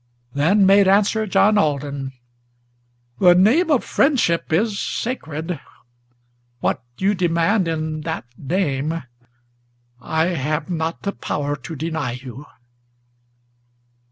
Then made answer John Alden: "The name of friendship is sacred; What you demand in that name, I have not the power to deny you!"